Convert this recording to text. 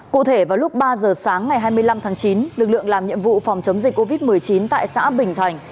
cụ thể vào lúc ba giờ sáng ngày hai mươi năm tháng chín lực lượng làm nhiệm vụ phòng chống dịch covid một mươi chín tại xã bình thành